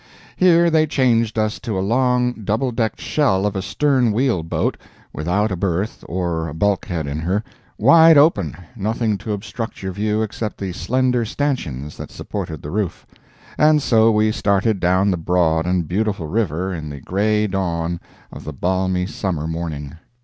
Here they changed us to a long, double decked shell of a stern wheel boat, without a berth or a bulkhead in her—wide open, nothing to obstruct your view except the slender stanchions that supported the roof. And so we started down the broad and beautiful river in the gray dawn of the balmy summer morning.